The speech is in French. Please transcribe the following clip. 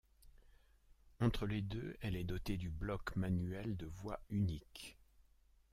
Entre les deux, elle est dotée du block manuel de voie unique.